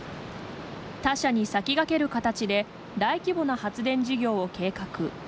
他社に先駆ける形で大規模な発電事業を計画。